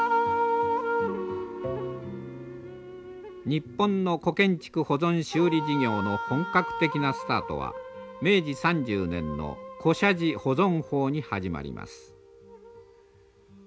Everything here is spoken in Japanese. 日本の古建築保存修理事業の本格的なスタートは明治３０年の古社寺保存法に始まります。